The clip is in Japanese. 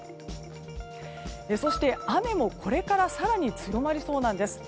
そして、雨もこれから更に強まりそうなんです。